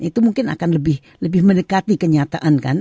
itu mungkin akan lebih mendekati kenyataan kan